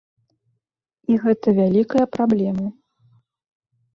І гэта вялікая праблема.